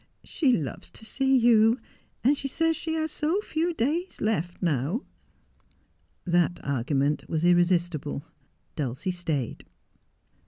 She loves to see you — and she says she has so few days left now ' That argument was irresistible ; Dulcie stayed.